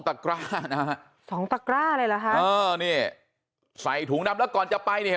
ตระกร้าสองตระกร้าเลยหรอฮะใส่ถุงน้ำแล้วก่อนจะไปนี่เห็น